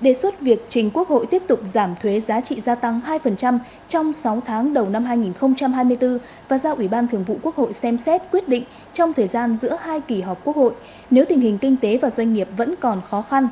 đề xuất việc trình quốc hội tiếp tục giảm thuế giá trị gia tăng hai trong sáu tháng đầu năm hai nghìn hai mươi bốn và giao ủy ban thường vụ quốc hội xem xét quyết định trong thời gian giữa hai kỳ họp quốc hội nếu tình hình kinh tế và doanh nghiệp vẫn còn khó khăn